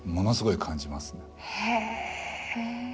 へえ！